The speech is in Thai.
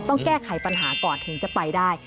ต้องแก้ไขปัญหาก่อนถึงจะไปได้